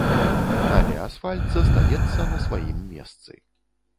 Але асфальт застаецца на сваім месцы.